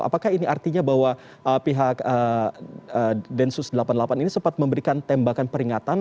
apakah ini artinya bahwa pihak densus delapan puluh delapan ini sempat memberikan tembakan peringatan